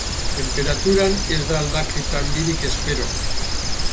Tenperaturan ez da aldaketa handirik espero.